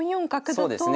そうですね。